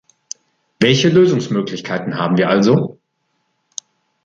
Welche Lösungsmöglichkeiten haben wir also?